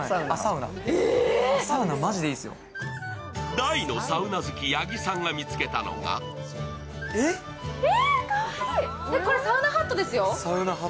大のサウナ好き、八木さんが見つけたのがかわいい、これサウナハットですよ。